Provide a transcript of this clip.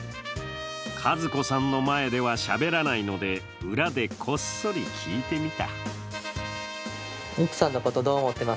和子さんの前ではしゃべらないので、裏でこっそり聞いてみた。